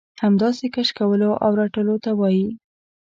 همداسې کش کولو او رټلو ته وايي.